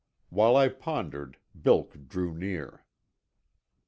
While I pondered Bilk drew near.